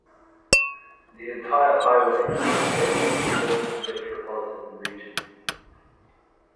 The entire highway is located in the Perth Metropolitan Region.